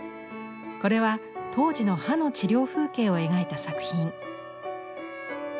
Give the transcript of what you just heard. これは当時の歯の治療風景を描いた作品。